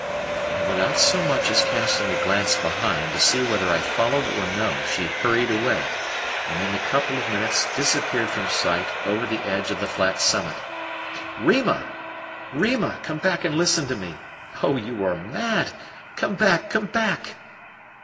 And without so much as casting a glance behind to see whether I followed or no, she hurried away, and in a couple of minutes disappeared from sight over the edge of the flat summit. "Rima! Rima! Come back and listen to me! Oh, you are mad! Come back! Come back!"